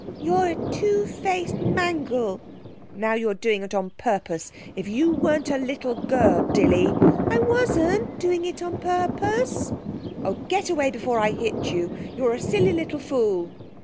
'You's a two faced mangle.' 'Now you're doing it on purpose! If you weren't a little girl, Dilly ' 'I wasn't doing it on purpose.' 'Oh, get away before I hit you! You're a silly little fool.'